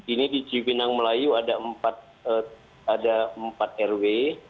ini di cipinang melayu ada empat rw